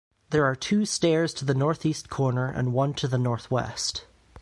There are two stairs to the northeast corner and one to the northwest.